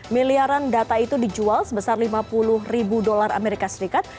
miliaran data itu dijual sebesar lima puluh ribu dolar amerika serikat